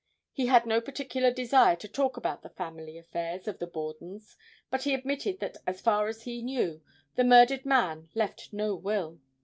He had no particular desire to talk about the family affairs of the Borden's, but he admitted that as far as he knew, the murdered man left no will.